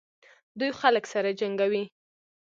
دوی خلک سره جنګوي.